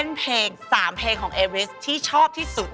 แสนเพลง๓เพลงของที่ชอบที่สุด